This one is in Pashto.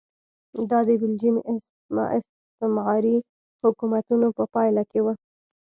دا د بلجیم استعماري حکومتونو په پایله کې و.